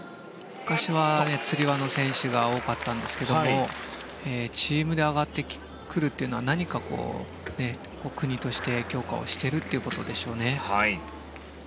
昔はつり輪の選手が多かったんですけどチームで上がってくるというのは何か国として強化をしているということでしょうね。